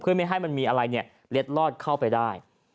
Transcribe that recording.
เพื่อไม่ให้มันมีอะไรเล็ดลอดเข้าไปได้